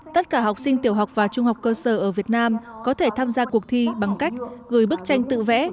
tất cả học sinh tiểu học và trung học cơ sở ở việt nam có thể tham gia cuộc thi bằng cách gửi bức tranh tự vẽ